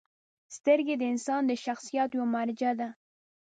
• سترګې د انسان د شخصیت یوه مرجع ده.